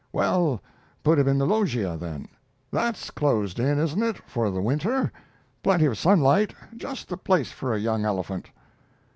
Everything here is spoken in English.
"Well, put him in the loggia, then. That's closed in, isn't it, for the winter? Plenty of sunlight just the place for a young elephant."